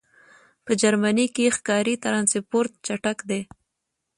په جرمنی کی ښکاری ټرانسپورټ چټک دی